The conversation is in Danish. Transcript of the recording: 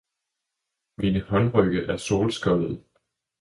Mine håndrygge er solskoldede